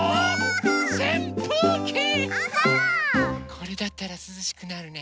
これだったらすずしくなるね。